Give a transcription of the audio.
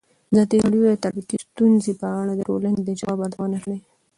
ازادي راډیو د ټرافیکي ستونزې په اړه د ټولنې د ځواب ارزونه کړې.